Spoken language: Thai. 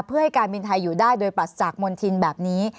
เพื่อให้การบินไทยอยู่ได้โดยปรัสจากมณฑินแบบนี้